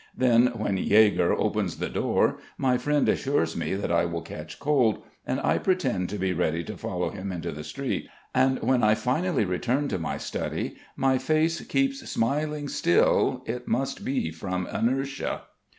Then, when Yegor opens the door my friend assures me that I will catch cold, and I pretend to be ready to follow him into the street. And when I finally return to my study my face keeps smiling still, it must be from inertia.